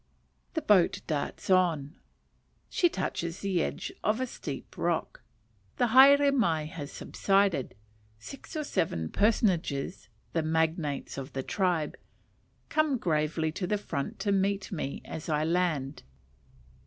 The boat darts on; she touches the edge of a steep rock; the "haere mai" has subsided; six or seven "personages" the magnates of the tribe come gravely to the front to meet me as I land.